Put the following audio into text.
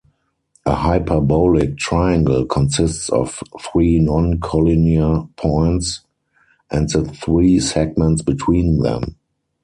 A hyperbolic triangle consists of three non-collinear points and the three segments between them.